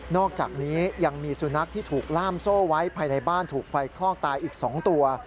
อกจากนี้ยังมีสุนัขที่ถูกล่ามโซ่ไว้ภายในบ้านถูกไฟคลอกตายอีก๒ตัว